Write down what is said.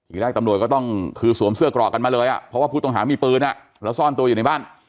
อีกแรกตำรวจก็ต้องคือสวมเสื้อกรอกกันมาเลยเพราะว่าผู้ต้องหามีปืนแล้วซ่อนตัวอยู่ในบ้าน